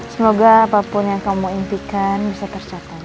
semoga apapun yang kamu impikan bisa tercapai